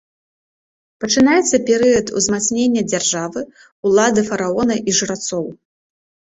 Пачынаецца перыяд узмацнення дзяржавы, улады фараона і жрацоў.